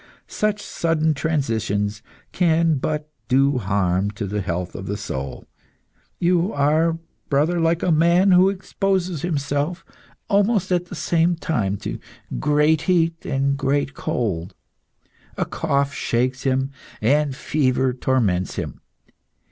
Such sudden transitions can but do harm to the health of the soul. You are, brother, like a man who exposes himself, almost at the same time, to great heat and great cold. A cough shakes him, and fever torments him.